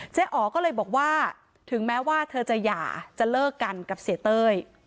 อ๋อก็เลยบอกว่าถึงแม้ว่าเธอจะหย่าจะเลิกกันกับเสียเต้ย